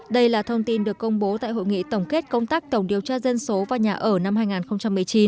đây là thông tin được công bố tại hội nghị tổng kết công tác tổng điều tra dân số và nhà ở năm hai nghìn một mươi chín